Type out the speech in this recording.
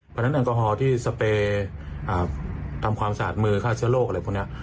เพราะฉะนั้นแอลกอฮอล์ที่สเปย์ทำความสะอาดมือฆ่าเชื้อโรคอะไรพวกนี้